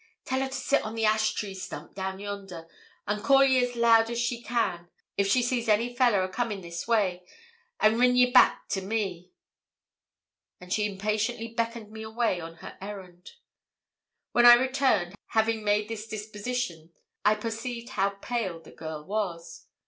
'Tell her to sit on the ash tree stump down yonder, and call ye as loud as she can if she sees any fellah a comin' this way, an' rin ye back to me;' and she impatiently beckoned me away on her errand. When I returned, having made this dispositions, I perceived how pale the girl was.